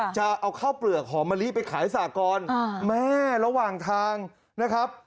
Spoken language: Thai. จะเอาข้าวเปลือกหอมมะลิไปขายสากรแม่ระหว่างทางนะครับ